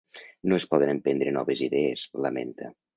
No es poden emprendre noves idees, lamenta.